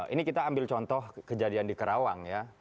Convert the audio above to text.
ini kita ambil contoh kejadian di kerawang ya